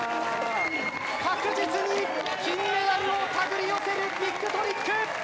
確実に金メダルを手繰り寄せるビッグトリック。